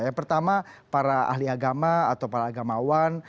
yang pertama para ahli agama atau para agamawan